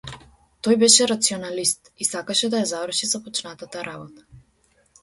Тој беше рационалист и сакаше да ја заврши започнатата работа.